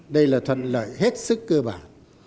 đây là thuận lợi hết sức cơ bản